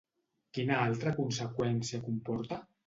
Quina altra conseqüència comporta?